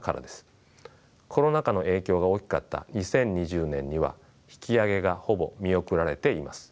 コロナ禍の影響が大きかった２０２０年には引き上げがほぼ見送られています。